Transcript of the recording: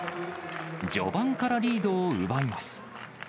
序盤からリードを奪います。